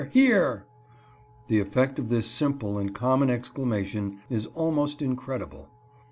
Hear!" The effect of this simple and common exclamation is almost incredible.